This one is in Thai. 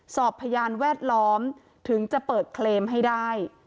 พยานแวดล้อมถึงจะเปิดเคลมให้ได้